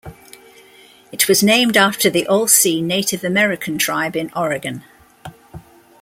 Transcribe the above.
It was named after the Alsea Native American tribe in Oregon.